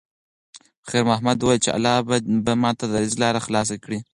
خیر محمد وویل چې الله به ماته د رزق لاره خلاصه کړي.